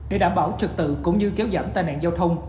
để đảm bảo trực tự cũng như kéo giảm tai nạn giao thông